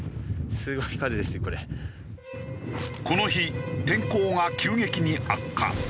この日天候が急激に悪化。